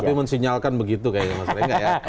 tapi mensinyalkan begitu kayaknya mas rory